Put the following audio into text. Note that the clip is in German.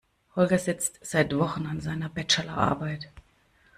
Holger sitzt seit Wochen an seiner Bachelorarbeit.